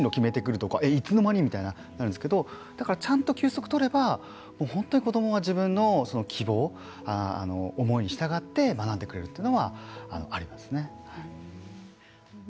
いきなり心を決めてくるとかいつの間にってなるんですけどちゃんと休息を取れば子どもは自分の希望を思いに従って学んでくれるというのはありますね。